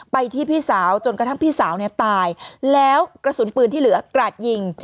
ไปที่พี่สาวจนกระทั่งพี่สาวเนี่ยตายแล้วกระสุนปืนที่เหลือกราดยิง